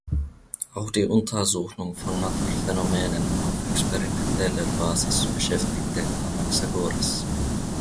Auch die Untersuchung von Naturphänomenen auf experimenteller Basis beschäftigte Anaxagoras.